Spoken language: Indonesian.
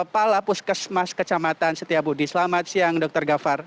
puskesmas kecamatan setiabudi selamat siang dr gavar